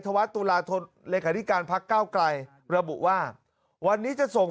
ธวรรษตุราทธลกริการพรรคเก้าไกลระบุว่าวันนี้จะส่ง